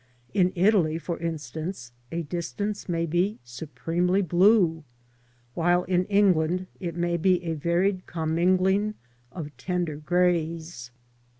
In Italy, for instance, a distance may be supremely blue, while in England it may be a varied commingling of tender greys.